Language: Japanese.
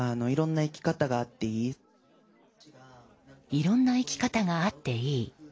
いろんな生き方があっていい。